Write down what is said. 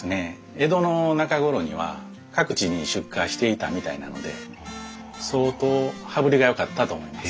江戸の中頃には各地に出荷していたみたいなので相当羽振りがよかったと思います。